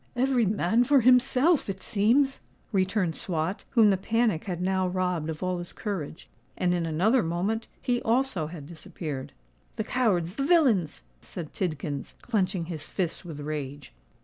"Every man for himself, it seems," returned Swot, whom the panic had now robbed of all his courage; and in another moment he also had disappeared. "The cowards—the villains!" said Tidkins, clenching his fists with rage.